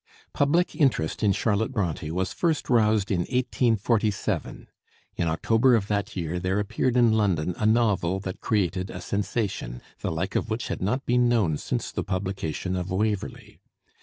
Public interest in Charlotte Bronté was first roused in 1847. In October of that year there appeared in London a novel that created a sensation, the like of which had not been known since the publication of 'Waverley.'